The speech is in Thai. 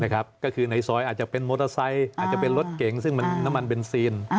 ก็คือในซอยอาจจะเป็นมอเตอร์ไซค์อาจจะเป็นรถเก๋งซึ่งน้ำมันเบนซีน